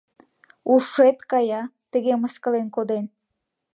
— Ушет кая, тыге мыскылен коден!